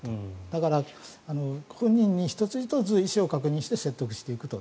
だから、本人に１つ１つ意思を確認して説得していくと。